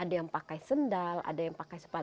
ada yang pakai sendal ada yang pakai sepatu